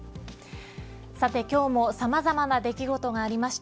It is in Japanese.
さて今日もさまざまな出来事がありました。